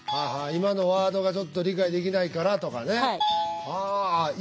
「今のワードがちょっと理解できないから」とかね。